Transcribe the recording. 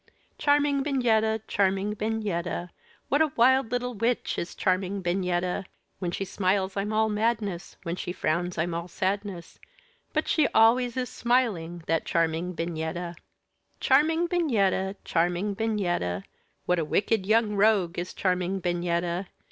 Charming Bignetta! charming Bignetta! What a wild little witch is charming Bignetta! When she smiles I'm all madness; When she frowns I'm all sadness; But she always is smiling that charming Bignetta! Charming Bignetta! charming Bignetta! What a wicked young rogue is charming Bignetta!